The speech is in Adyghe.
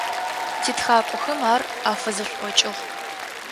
Титхакӏохэм ар афызэшӏокӏыгъ.